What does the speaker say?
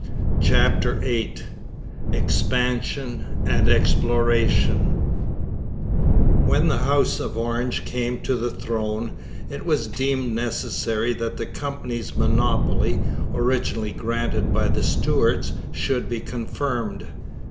CHAPTER VIII EXPANSION AND EXPLORATION When the House of Orange came to the throne, it was deemed necessary that the Company's monopoly, originally granted by the Stuarts, should be confirmed.